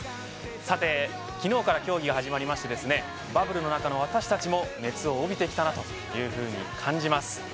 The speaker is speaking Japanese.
さて昨日から競技が始まりましてバブルの中の私たちも熱を帯びてきたなというふうに感じます。